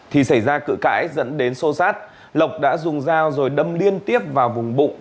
thì xảy ra cự cãi dẫn đến xô xát lộc đã dùng dao rồi đâm liên tiếp vào vùng bụng